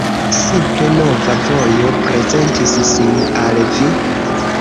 Simple, nova vojo prezentis sin al vi.